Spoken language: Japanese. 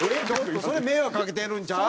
それ迷惑かけてるんちゃう？